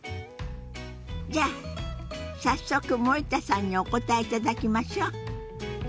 じゃあ早速森田さんにお答えいただきましょう。